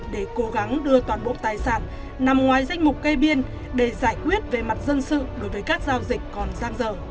để cố gắng đưa toàn bộ tài sản nằm ngoài danh mục cây biên để giải quyết về mặt dân sự đối với các giao dịch còn giang dở